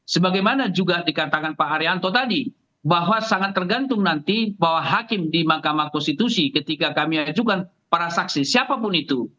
sebagaimana juga dikatakan pak haryanto tadi bahwa sangat tergantung nanti bahwa hakim di mahkamah konstitusi ketika kami ajukan para saksi siapapun itu